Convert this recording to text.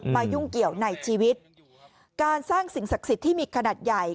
ยุ่งเกี่ยวในชีวิตการสร้างสิ่งศักดิ์สิทธิ์ที่มีขนาดใหญ่